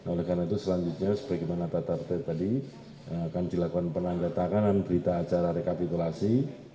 oleh karena itu selanjutnya seperti mana tata tata tadi akan dilakukan penangkatakan dan berita acara rekapitulasi